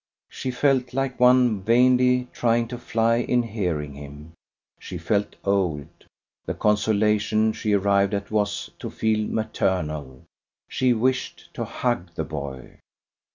She felt like one vainly trying to fly in hearing him; she felt old. The consolation she arrived at was to feel maternal. She wished to hug the boy.